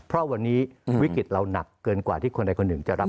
เพราะวันนี้วิกฤตเราหนักเกินกว่าที่คนใดคนหนึ่งจะรับ